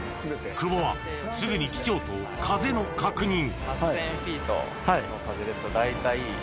久保はすぐに機長と風の確認あっ